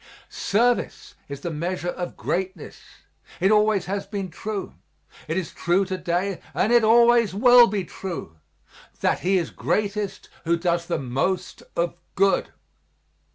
Service is the measure of greatness; it always has been true; it is true to day, and it always will be true, that he is greatest who does the most of good.